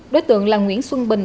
đối tượng là nguyễn xuân bình